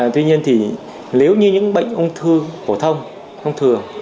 tuy nhiên thì nếu như những bệnh ung thư phổ thông ung thừa